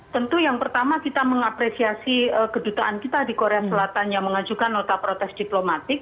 tentu yang pertama kita mengapresiasi kedutaan kita di korea selatan yang mengajukan nota protes diplomatik